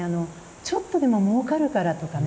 ちょっとでももうかるからとかね